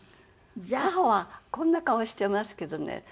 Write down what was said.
母はこんな顔してますけどね